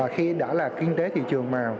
khi đã là kinh tế thị trường mà